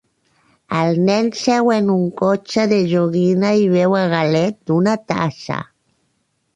El nen seu en un cotxe de joguina i beu a galet d'una tassa